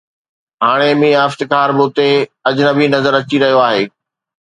هاڻي ميان افتخار به اتي اجنبي نظر اچي رهيو آهي.